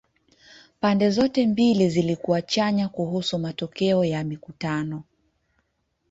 Pande zote mbili zilikuwa chanya kuhusu matokeo ya mikutano.